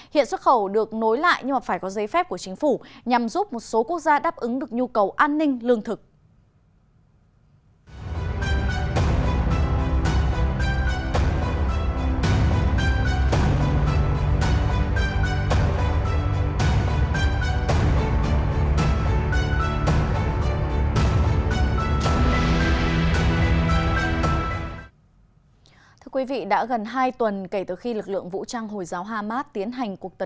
hiện xuất khẩu được nối lại nhưng phải có giấy phép của chính phủ nhằm giúp một số quốc gia đáp ứng được nhu cầu an ninh lương thực